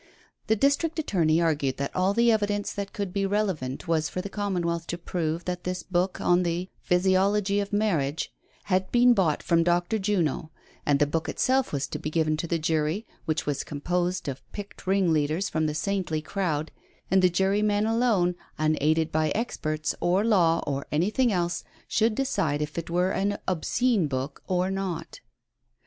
The district attorney argued that all the evidence that could be relevant was for the Commonwealth to prove that this book on the ''Physiology of Marriage" had been bought from Dr. Juno, and the book itself was to be given to the jury— which was composed of picked ringleaders from the saintly crowd— and the jurymen alone, unaided by experts, or law, or anything else, should decide if it were an obscene book or not.